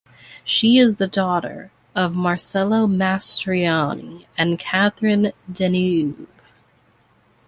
She is the daughter of Marcello Mastroianni and Catherine Deneuve.